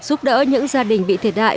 giúp đỡ những gia đình bị thiệt hại